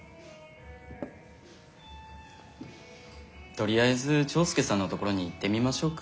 とりあえずチョウスケさんのところに行ってみましょうか。